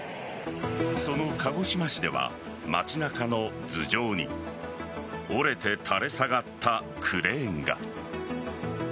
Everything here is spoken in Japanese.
その鹿児島市では町なかの頭上に折れて垂れ下がったクレーンが。